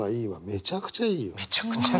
めちゃくちゃいい！